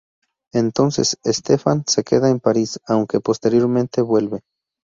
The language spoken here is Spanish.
Entonces Stefan se queda en París, aunque posteriormente vuelve.